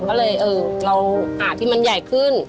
ก็เลยเออเราหาที่มันใหญ่ขึ้น